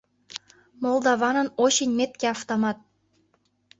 Молдаванын очень меткий автомат!